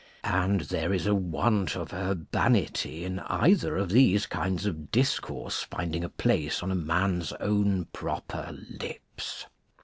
And there is a want of urbanity in either of these kinds of discourse finding a place on a man's own proper lips.